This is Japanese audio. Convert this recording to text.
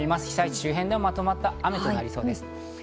被災地周辺でもまとまった雨となりそうです。